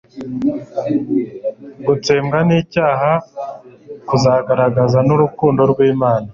Gutsembwa kw'icyaha kuzagaragaza urukundo rw'Imana,